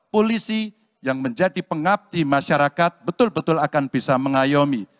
polisi yang menjadi pengabdi masyarakat betul betul akan bisa mengayomi